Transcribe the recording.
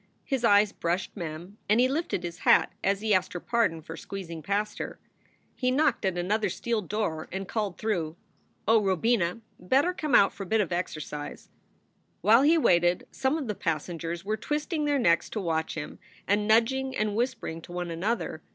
His eyes brushed Mem and he lifted his hat as he asked her pardon for squeezing past her. He knocked at another steel door and called through, "Oh, Robina, better come out for a bit of exercise." While he waited, some of the passengers were twisting their necks to watch him, and nudging and whispering to one another.